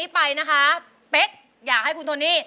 ป๊าเป๊๊กอยากให้คุณโทนี่